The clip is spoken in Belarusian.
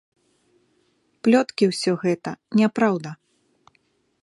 Плёткі ўсё гэта, няпраўда.